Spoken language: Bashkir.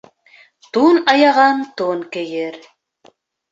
Тун аяған тун кейер.